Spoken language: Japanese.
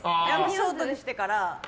ショートにしてから。